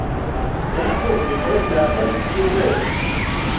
Yeɛqub iffeɣ-it leɛqel, yugad.